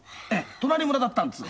隣村だったんですよ。